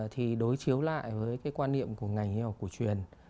thì đối chiếu lại với cái quan niệm của ngành hay là của truyền